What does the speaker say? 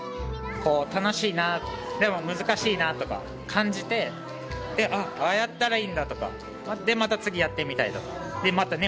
楽しいなでも難しいなとか感じて「あっああやったらいいんだ」とかでまた次やってみたりとかまたね